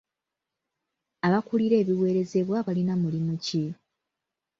Abakulira ebiweerezebwa balina mulimu ki?